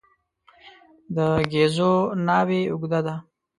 د ګېزو ناوې اوږده ده.